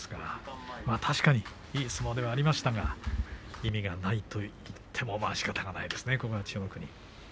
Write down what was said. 確かにいい相撲ではありますが、意味がないと言い切ってもしかたがないですね。